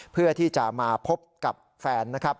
เพื่อที่จะมาพบกับแฟนนะครับ